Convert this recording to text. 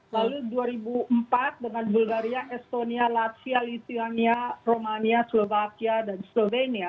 lalu dua ribu empat dengan bulgaria estonia latvia lithiania romania slovakia dan slovenia